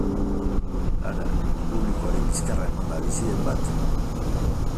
Hara, publikoari bizkarra emanda bizi den bat?